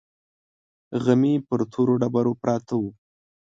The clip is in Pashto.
غمي پر تورو ډبرو پراته وو.